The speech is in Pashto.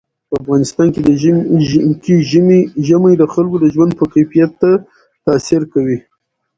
په افغانستان کې ژمی د خلکو د ژوند په کیفیت تاثیر کوي.